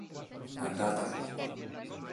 Andata a fuoco.